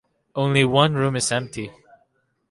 Only one room is empty.